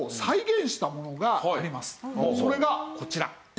それがこちら。